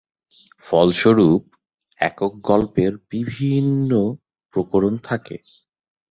ফলস্বরূপ, একক গল্পের বিভিন্ন প্রকরণ থাকে।